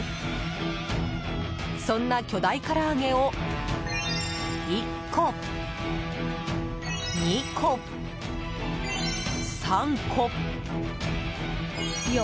そんな巨大から揚げを１個、２個、３個、４個。